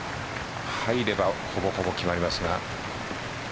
入ればほぼほぼ決まりますが。